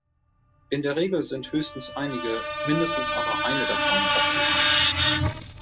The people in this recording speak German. In der Regel sind höchstens einige, mindestens aber eine davon optimal.